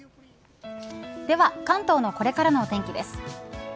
では関東のこれからのお天気です。